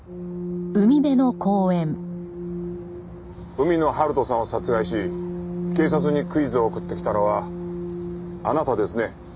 海野春人さんを殺害し警察にクイズを送ってきたのはあなたですね？